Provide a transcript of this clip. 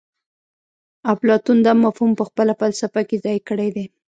اپلاتون دا مفهوم په خپله فلسفه کې ځای کړی دی